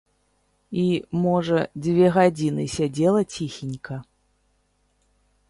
І, можа, дзве гадзіны сядзела ціхенька.